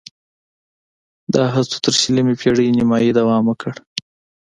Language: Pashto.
دا هڅو تر شلمې پېړۍ نیمايي دوام وکړ